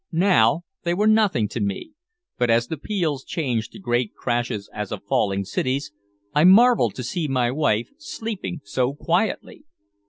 Now they were nothing to me, but as the peals changed to great crashes as of falling cities, I marveled to see my wife sleeping so quietly.